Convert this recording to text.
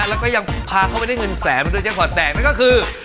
แล้วก็ยังพาเข้าไปได้เงินแสนและก็ยังขอแต่งและก็คือ